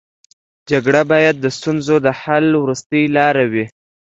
جګړه باید د ستونزو د حل وروستۍ لاره وي